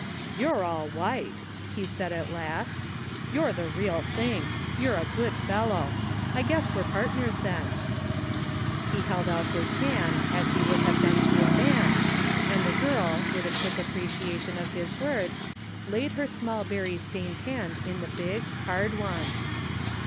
" You're all white !" he said at last. " You're the real thing. You're a good fellow. I guess we're partners, then." 52 THE FINDING OP JASPER HOLT He held out his hand as he would have done to a man, and the girl, with a quick appreciation of his words, laid her small berry stained hand in the big, hard one.